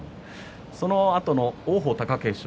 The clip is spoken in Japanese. そのあとの王鵬、貴景勝